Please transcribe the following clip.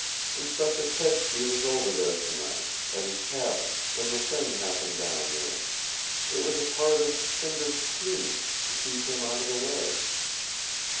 Inspector Kedsty was over there tonight, at his cabin, when the thing happened down there. It was a part of Fingers' scheme to keep him out of the way."